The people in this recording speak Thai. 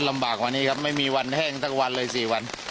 ลำบากกว่านี้ครับไม่มีวันแห้งสักวันเลย๔วัน